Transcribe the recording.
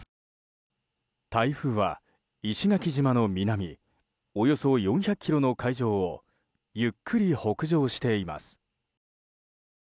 台風は石垣島の南およそ４００ｋｍの海上をゆっくり北上しています。